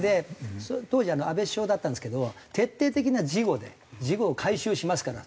当時安倍首相だったんですけど徹底的な事後で「事後回収しますから」